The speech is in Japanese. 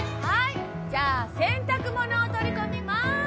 はいじゃあ洗濯物を取り込みます